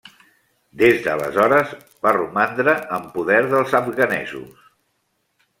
Des d'aleshores va romandre en poder dels afganesos.